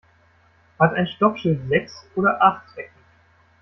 Hat ein Stoppschild sechs oder acht Ecken?